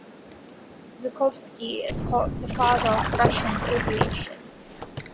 Zhukovski is called the father of Russian aviation.